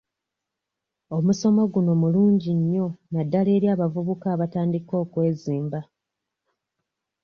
Omusomo guno mulungi nnyo naddala eri abavubuka abatandika okwezimba.